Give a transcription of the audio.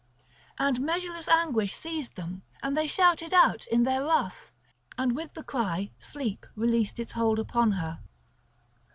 And measureless anguish seized them and they shouted out in their wrath; and with the cry sleep released its hold upon her.